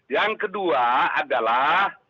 yang kedua adalah